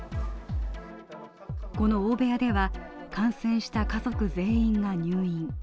この大部屋では感染した家族全員が入院。